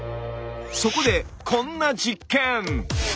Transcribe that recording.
そこでこんな実験！